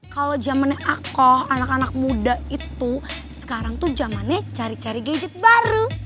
kalau zamannya akoh anak anak muda itu sekarang tuh zamannya cari cari gadget baru